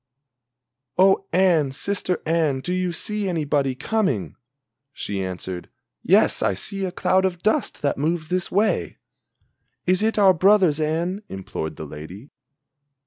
"Oh Anne, sister Anne, do you see anybody coming?" She answered: "Yes I see a cloud of dust that moves this way." "Is it our brothers, Anne?" implored the lady.